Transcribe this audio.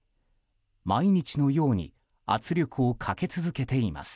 毎日のように圧力をかけ続けています。